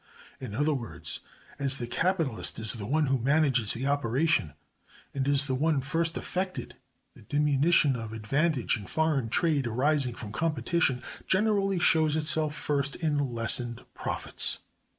In other words, as the capitalist is the one who manages the operation, and is the one first affected, the diminution of advantage in foreign trade arising from competition, generally shows itself first in lessened profits.